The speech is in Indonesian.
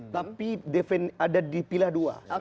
tapi ada dipilih dua